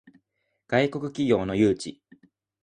外国企業の誘致